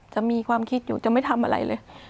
จะมีความคิดอยู่จะไม่ทำอะไรเลย